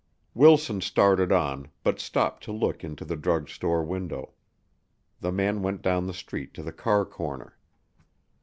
Wilson started on, but stopped to look into the drugstore window. The man went down the street to the car corner.